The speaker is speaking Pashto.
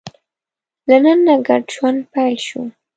له نن نه ګډ ژوند پیل شو.